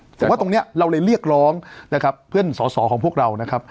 ผมว่าตรงนี้เราเลยเรียกร้องนะครับเพื่อนสอสอของพวกเรานะครับ